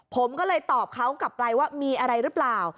ผมก็เลยตอบเขากลับไปว่ามีอะไรหรือเปล่า